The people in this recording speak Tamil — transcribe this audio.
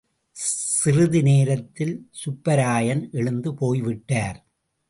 சிறிதுநேரத்தில் சுப்பராயன் எழுந்து போய்விட்டார்.